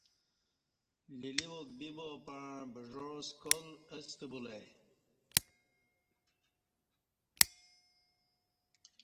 لیلیواک بیبا پع بجاع سکالاستہ بولہ ای